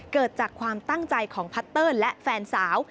เกิดจากความตั้งใจของพัตเตอร์และแฟนสาว